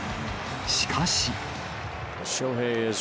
しかし。